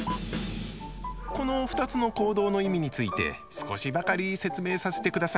この２つの行動の意味について少しばかり説明させてください。